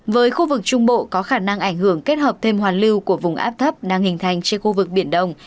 với khu vực trung bộ có khả năng ảnh hưởng kết hợp thêm hoàn lưu của vùng áp thấp đang hình thành trên khu vực biển đông